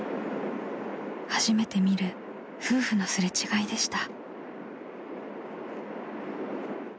［初めて見る夫婦の擦れ違いでした］